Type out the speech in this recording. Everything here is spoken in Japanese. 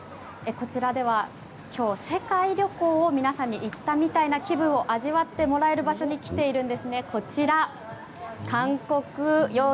こちらでは今日、世界旅行を皆さんに行ったみたいな気分を味わってもらえる場所に来ているんですね。